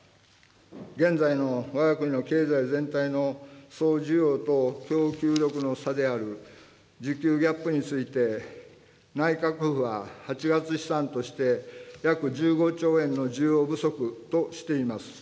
現在のわが国の経済全体の総需要と供給力の差である需給ギャップについて、内閣府は８月試算として、約１５兆円の需要不足としています。